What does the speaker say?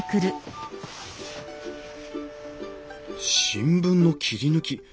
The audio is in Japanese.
新聞の切り抜き